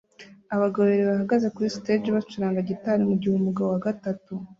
Abagabo babiri bari kuri stage bacuranga gitari mugihe umugabo wa gatatu